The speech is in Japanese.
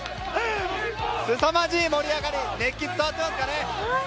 すさまじい盛り上がり熱気伝わってますかね。